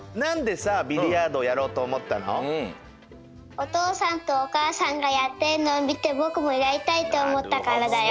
おとうさんとおかあさんがやってるのをみてぼくもやりたいとおもったからだよ。